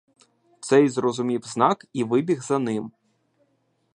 Цей зрозумів знак і вибіг за ним.